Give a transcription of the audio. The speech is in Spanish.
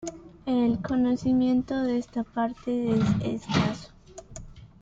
El conocimiento de esta parte es escaso.